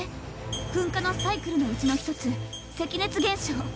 噴火のサイクルのうちの一つ「赤熱現象」。